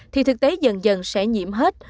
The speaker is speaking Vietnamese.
thì thực tế dần dần sẽ nhiễm hết